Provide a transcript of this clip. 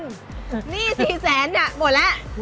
หนี้สี่แสนเนี่ยหมดแล้ว